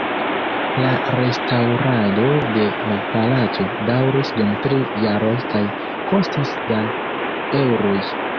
La restaŭrado de la palaco daŭris dum tri jaroj kaj kostis da eŭroj.